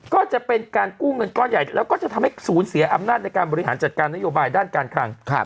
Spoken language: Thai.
ก็จะเป็นการกู้เงินก้อนใหญ่แล้วก็จะทำให้ศูนย์เสียอำนาจในการบริหารจัดการนโยบายด้านการคลัง